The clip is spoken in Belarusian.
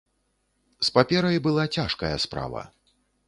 З паперай была цяжкая справа.